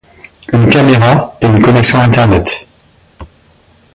une caméra et une connexion Internet.